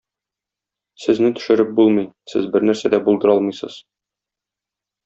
Сезне төшереп булмый, сез бернәрсә дә булдыра алмыйсыз.